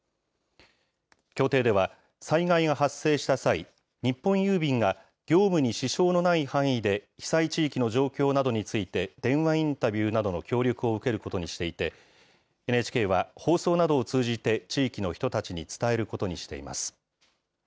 協定では、災害が発生した際、日本郵便が業務に支障のない範囲で被災地域の状況などについて、電話インタビューなどの協力を受けることにしていて、ＮＨＫは、放送などを通じて地域の人たちに伝えることにしています。